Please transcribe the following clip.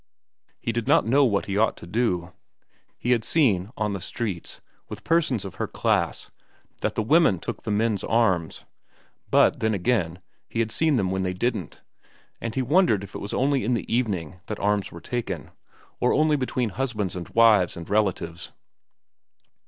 He did not know what he ought to do. He had seen, on the streets, with persons of her class, that the women took the men's arms. But then, again, he had seen them when they didn't; and he wondered if it was only in the evening that arms were taken, or only between husbands and wives and relatives.